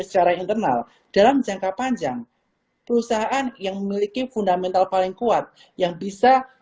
secara internal dalam jangka panjang perusahaan yang memiliki fundamental paling kuat yang bisa